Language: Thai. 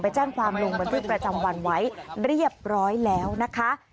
แจ้งความลงบันทึกประจำวันไว้เรียบร้อยแล้วนะคะ